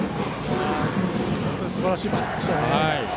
本当にすばらしいバントでしたね。